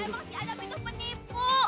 emang si adam itu penipu